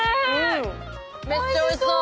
めっちゃおいしそう。